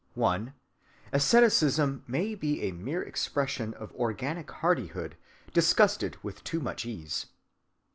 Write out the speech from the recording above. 1. Asceticism may be a mere expression of organic hardihood, disgusted with too much ease.